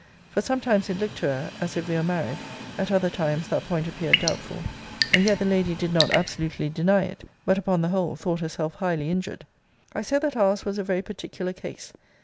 For sometimes it looked to her as if we were married; at other times that point appeared doubtful; and yet the lady did not absolutely deny it, but, upon the whole, thought herself highly injured. I said that our's was a very particular case.